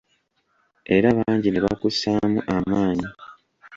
Era bangi ne bakussaamu amaanyi.